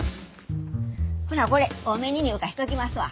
ほなこれ多めに入荷しときますわ。